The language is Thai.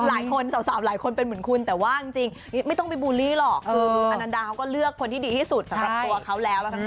อาณานดาเค้าเลือกคนที่ดีที่สุดสำหรับตัวเค้าแล้ว